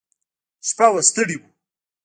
شپه وه ستړي وو.